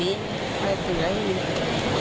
อีกครั้งก็อดท้าย